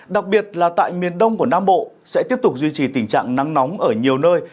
đặc biệt là tại miền đông của nam bộ sẽ tiếp tục duy trì tình trạng nắng nóng ở nhiều nơi